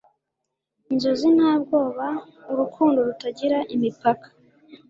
Inzozi nta bwoba. Urukundo rutagira imipaka.